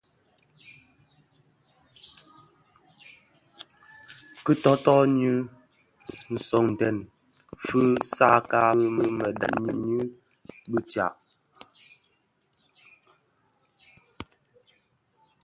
Kè toto nyi sõňdèn fitsakka fi mëdhad ňyi bi tsag.